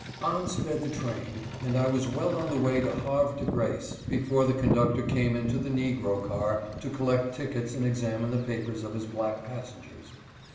On sped the train, and I was well on the way to Havre de Grace before the conductor came into the negro car to collect tickets and examine the papers of his black passengers.